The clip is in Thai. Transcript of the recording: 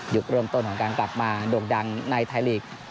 เริ่มต้นของการกลับมาโด่งดังในไทยลีก